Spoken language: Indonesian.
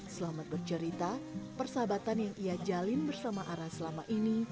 selamat bercerita persahabatan yang ia jalin bersama ara selama ini